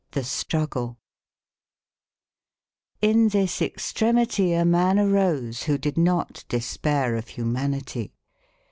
III THE STRUGGLE In this extremity a man arose who did not despair of humanity.